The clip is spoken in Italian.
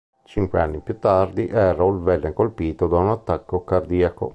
Cinque anni più tardi, Errol venne colpito da un attacco cardiaco.